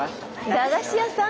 駄菓子屋さん？